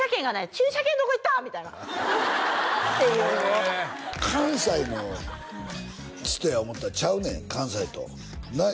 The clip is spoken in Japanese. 「駐車券どこ行った！？」みたいなっていうのを関西の人や思ったらちゃうねん関西となっ？